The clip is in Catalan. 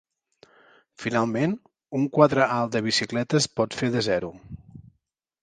Finalment, un quadre alt de bicicleta es pot fer de zero.